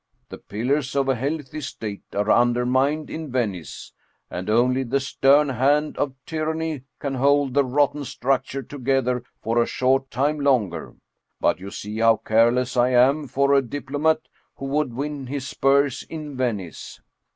The pillars of a healthy State are undermined in Venice, and only the stern hand of tyranny can hold the rotten structure together for a short time longer. But you see how careless I am for a diplomat who would win his spurs in Venice